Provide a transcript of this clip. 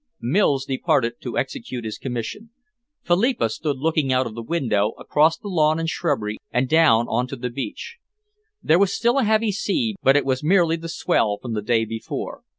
Mills departed to execute his commission. Philippa stood looking out of the window, across the lawn and shrubbery and down on to the beach. There was still a heavy sea, but it was merely the swell from the day before.